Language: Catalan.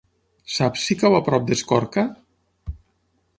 Saps si cau a prop d'Escorca?